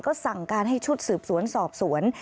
ก็สั่งการให้ชุดสืบสวนสอบสวน